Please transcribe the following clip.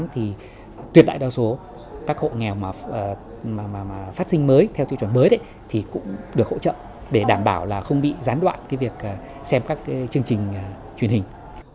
thì tuyệt đại đa số các hộ nghèo mà phát sinh mới theo chuẩn mới thì cũng được hỗ trợ để đảm bảo là không bị gián đoạn việc xem các chương trình truyền hình